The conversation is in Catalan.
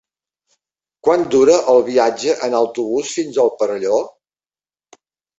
Quant dura el viatge en autobús fins al Perelló?